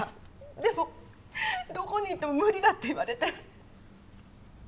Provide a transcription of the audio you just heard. でもどこに行っても無理だって言われて。